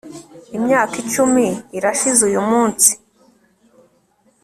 imyaka icumi irashize uyumunsi